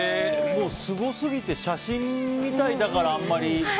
もう、すごすぎて写真みたいだから、あんまり。